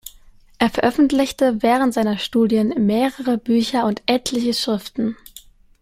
Er veröffentlichte während seiner Studien mehrere Bücher und etliche Schriften.